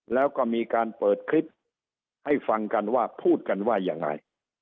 แล้วก็มีการเปิดคลิปให้ฟังกันว่าพูดกันว่ายังไง